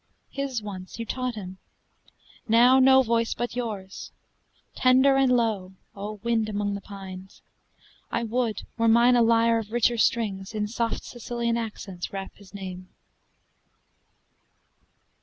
His once you taught him. Now no voice but yours! Tender and low, O wind among the pines. I would, were mine a lyre of richer strings, In soft Sicilian accents wrap his name.